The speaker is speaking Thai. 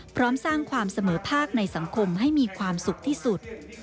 พร้อมสร้างความเสมอภาคในสังคมให้มีความสุขที่สุด